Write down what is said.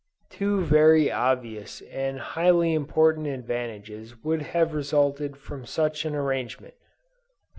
Two very obvious and highly important advantages would have resulted from such an arrangement.